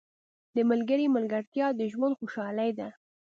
• د ملګري ملګرتیا د ژوند خوشحالي ده.